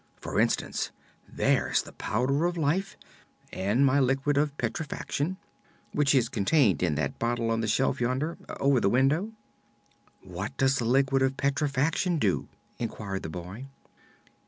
For instance, there's the Powder of Life, and my Liquid of Petrifaction, which is contained in that bottle on the shelf yonder over the window." "What does the Liquid of Petrifaction do?" inquired the boy.